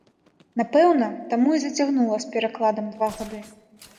Напэўна, таму і зацягнула з перакладам два гады.